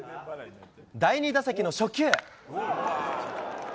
第２打席の初球。